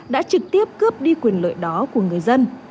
đã trực tiếp cướp đi quyền lợi đó của người dân